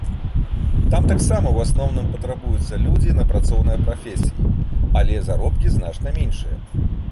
Там таксама, у асноўным, патрабуюцца людзі на працоўныя прафесіі, але заробкі значна меншыя.